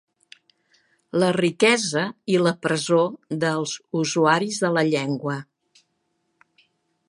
La riquesa i la presó dels usuaris de la llengua.